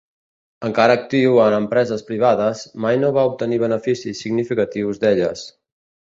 Encara actiu en empreses privades, mai no va obtenir beneficis significatius d'elles.